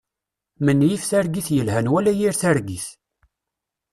Menyif targit yelhan wala yir targit.